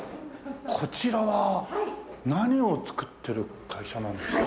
こちらは何を作ってる会社なんですか？